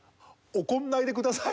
怒んないでください！